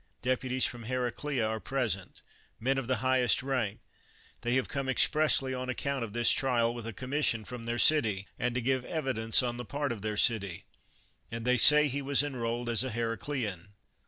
Deputies from Hera clea are present, men of the highest rank; they have come expressly on account of this trial, with a commission from their city, and to give evi dence on the part of their city; and they say that he was enrolled as a Heraclean.